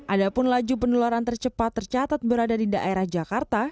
adapun laju penularan tercepat tercatat berada di daerah jakarta